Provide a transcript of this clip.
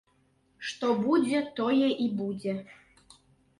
Што будзе, тое і будзе.